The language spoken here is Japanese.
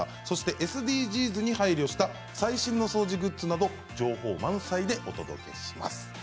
ＳＤＧｓに配慮した最新の掃除グッズなど情報満載でお届けします。